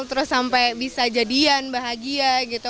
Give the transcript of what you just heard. terus sampai bisa jadian bahagia gitu